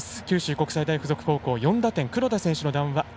九州国際大付属高校４打点、黒田選手の談話。